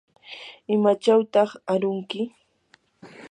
¿imachawtaq arunki?